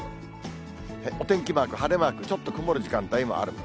お天気マーク、晴れマーク、ちょっと曇る時間帯もあると。